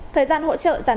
thời gian hỗ trợ giảm